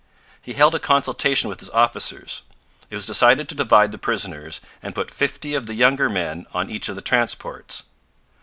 He held a consultation with his officers. It was decided to divide the prisoners, and put fifty of the younger men on each of the transports.